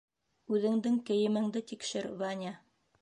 Үҙеңдең кейемеңде тикшер, Ваня!